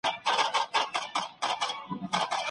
زه نه غواړم د بل چا لاره بدله کړم.